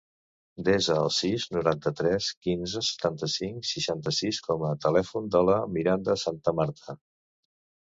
Desa el sis, noranta-tres, quinze, setanta-cinc, seixanta-sis com a telèfon de la Miranda Santamarta.